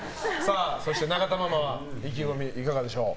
そして永田ママは意気込みいかがでしょう。